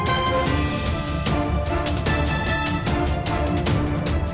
อันนี้ยังไม่ทราบ